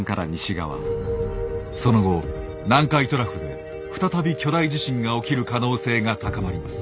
その後南海トラフで再び巨大地震が起きる可能性が高まります。